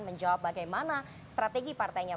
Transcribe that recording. menjawab bagaimana strategi partainya